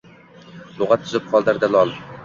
Lugʼat tuzib, qoldirdi lol